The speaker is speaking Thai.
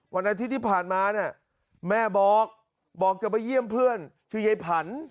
วันอาทิตย์ที่ผ่านมาเนี่ยแม่บอกบอกจะไปเยี่ยมเพื่อนชื่อยายผัน